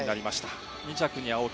２着に青木。